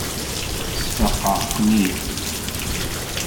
Sfaqeɣ-ken-id.